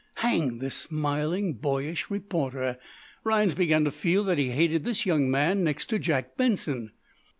Hang this smiling, boyish reporter! Rhinds began to feel that he hated this young man next to Jack Benson!